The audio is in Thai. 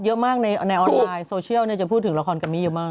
เยอะมากในออนไลน์โซเชียลจะพูดถึงละครกัมมี่เยอะมาก